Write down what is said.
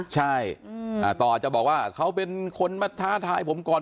ใช่ต่ออาจจะบอกว่าเขาเป็นคนมาท้าทายผมก่อน